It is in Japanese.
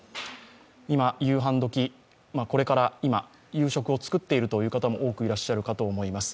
今夕飯時、これから夕食を作っている方も多くいらっしゃると思います。